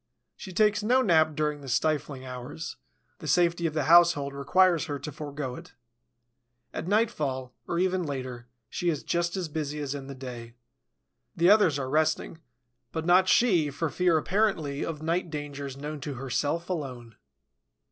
She takes no nap during the stifling hours: the safety of the household requires her to forego it. At nightfall, or even later, she is just as busy as in the day. The others are resting, but not she, for fear, apparently, of night dangers known to herself alone.